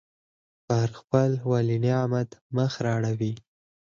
پر خپل ولینعمت مخ را اړوي.